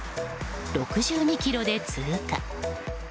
６２キロで通過。